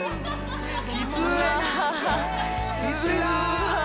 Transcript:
きついな！